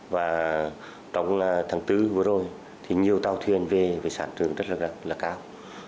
và trong tháng bốn vừa rồi thì nhiều tàu thuyền về với sản trường rất là cao